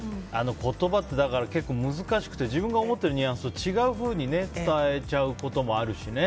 言葉って結構難しくて自分が思ってるニュアンスと違うふうに伝えちゃうこともあるしね。